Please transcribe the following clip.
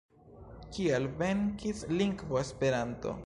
Kial venkis lingvo Esperanto?